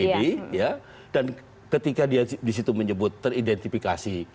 dan ketika disitu menyebut teridentifikasi